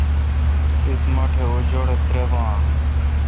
تیس مہ ٹھ ا جوڑہ ترےبان آں